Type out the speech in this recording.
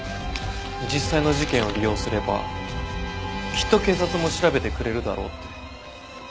実際の事件を利用すればきっと警察も調べてくれるだろうって。